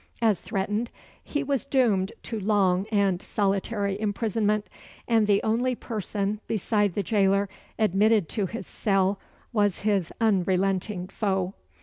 As threatened, he was doomed to long and solitary imprisonment, and the only person, beside the jailer, admitted to his cell, was his unrelenting foe.